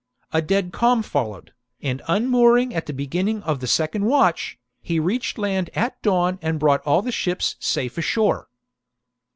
A dead calm followed, and unmooring at the beginning of the second watch, he reached land at dawn and brought all the ships safe ashore.